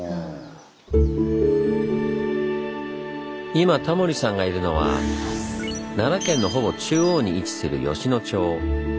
今タモリさんがいるのは奈良県のほぼ中央に位置する吉野町。